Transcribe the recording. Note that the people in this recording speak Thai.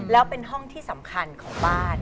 แล้วเป็นห้องที่สำคัญของบ้าน